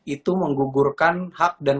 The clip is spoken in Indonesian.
itu menggugurkan hak dan